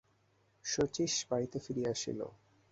শচীশ বাড়িতে ফিরিয়া আসিল।